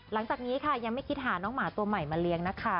หลังจากนี้ค่ะยังไม่คิดหาน้องหมาตัวใหม่มาเลี้ยงนะคะ